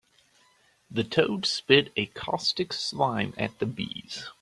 The toad spit a caustic slime at the bees.